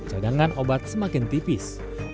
cadangan obat semakin tipis